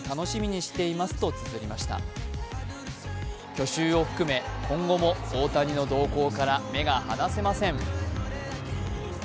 去就を含め今後も大谷の動向から目が離せません。